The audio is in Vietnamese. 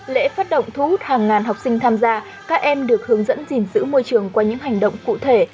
lễ phát động thu hút hàng ngàn học sinh tham gia các em được hướng dẫn gìn giữ môi trường qua những hành động cụ thể